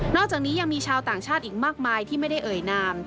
อกจากนี้ยังมีชาวต่างชาติอีกมากมายที่ไม่ได้เอ่ยนาม